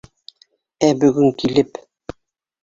Ә бөгөн килеп...